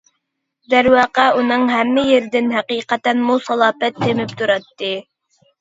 دەرۋەقە ئۇنىڭ ھەممە يېرىدىن ھەقىقەتەنمۇ سالاپەت تېمىپ تۇراتتى.